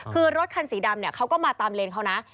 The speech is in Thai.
คือรถคันสีดำเขาก็มาตามเลนเขานะ